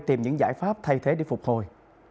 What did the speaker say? tìm những giải pháp thay thế để phục hồi